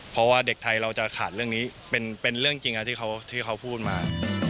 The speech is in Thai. เพราะว่าเด็กไทยเราจะขาดเรื่องนี้เป็นเรื่องจริงที่เขาพูดมา